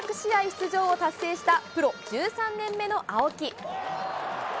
出場を達成したプロ１３年目の青木。